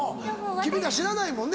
君ら知らないもんね